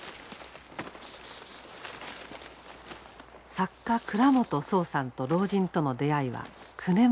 作家倉本聰さんと老人との出会いは９年前に遡る。